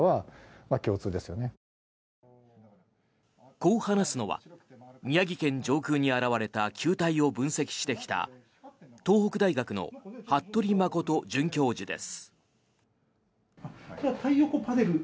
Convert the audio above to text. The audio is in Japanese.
こう話すのは宮城県上空に現れた球体を分析してきた東北大学の服部誠准教授です。